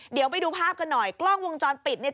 เดี๋ยวไปดูภาพกันหน่อยกล้องวงจรปิดเนี่ย